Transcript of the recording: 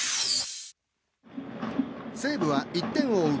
西武は１点を追う